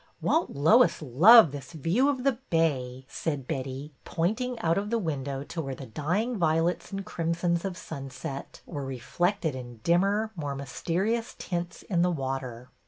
Won't Lois love this view of the bay?" said Betty, pointing out of the window to where the dying violets and crimsons of sunset were reflected in dimmer, more mysterious tints in the water.